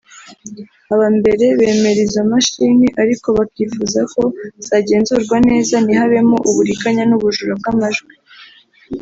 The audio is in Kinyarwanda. Aba mbere bemera izo mashini ariko bakifuza ko zagenzurwa neza ntihabemo uburiganya n’ubujura bw’amajwi